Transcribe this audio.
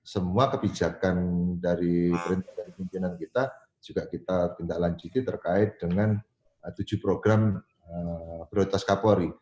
semua kebijakan dari perintah dari pimpinan kita juga kita tindak lanjuti terkait dengan tujuh program prioritas kapolri